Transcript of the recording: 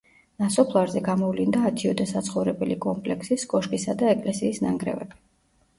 ნასოფლარზე გამოვლინდა ათიოდე საცხოვრებელი კომპლექსის, კოშკისა და ეკლესიის ნანგრევები.